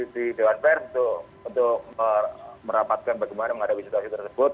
di dewan pers untuk merapatkan bagaimana menghadapi situasi tersebut